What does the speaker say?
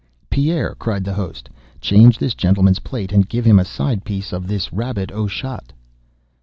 "Pierre," cried the host, "change this gentleman's plate, and give him a side piece of this rabbit au chat."